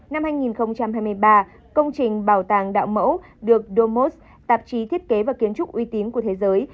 năm hai nghìn hai mươi ba công trình bảo tàng đạo mẫu được domos tạp chí thiết kế và kiến trúc uy tín của thế giới